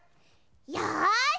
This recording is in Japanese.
よし！